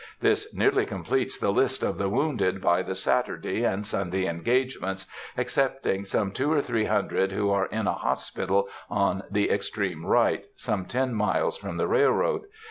This nearly completes the list of the wounded by the Saturday and Sunday engagements, excepting some two or three hundred who are in a hospital on the extreme right, some ten miles from the railroad.